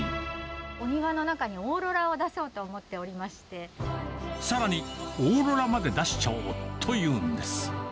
お庭の中にオーロラを出そうさらに、オーロラまで出しちゃおうというんです。